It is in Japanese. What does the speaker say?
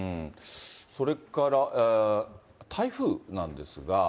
それから台風なんですが。